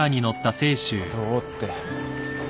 どうって